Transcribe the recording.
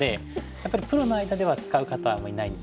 やっぱりプロの間では使う方あんまりいないんですけど。